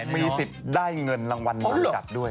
มีสิทธิ์ได้เงินรางวัลนำจับด้วย